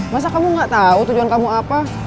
masa kamu gak tahu tujuan kamu apa